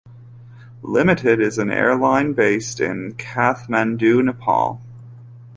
Limited is an airline based in Kathmandu, Nepal.